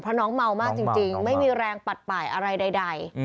เพราะน้องเมามากจริงไม่มีแรงปัดป่ายอะไรใด